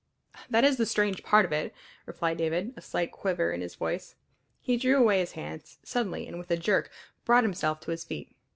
"That is the strange part of it," replied David, a slight quiver in his voice. He drew away his hands suddenly and with a jerk brought himself to his feet.